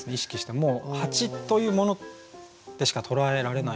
もう蜂というものでしか捉えられないので。